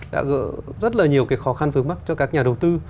đã gỡ rất là nhiều cái khó khăn vướng mắt cho các nhà đầu tư